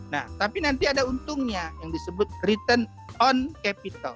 nah tapi nanti ada untungnya yang disebut return on capital